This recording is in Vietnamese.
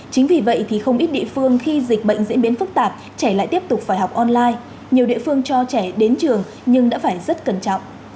chính vì vậy thì không ít địa phương khi dịch bệnh diễn biến phức tạp trẻ lại tiếp tục phải học online nhiều địa phương cho trẻ đến trường nhưng đã phải rất cẩn trọng